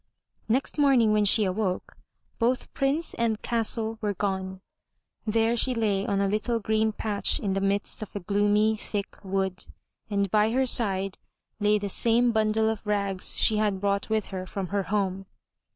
Next morning when she awoke, both Prince and castle were gone. There she lay on a little green patch in the midst of the gloomy, thick wood, and by her side lay the same bundle of rags she had brought with her from her home.